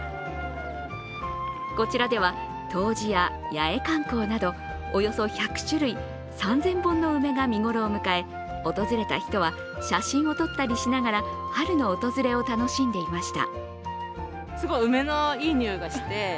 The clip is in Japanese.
こちらでは、冬至や八重寒紅などおよそ１００種類３０００本の梅が見頃を迎え訪れた人は写真を撮ったりしながら春の訪れを楽しんでいました。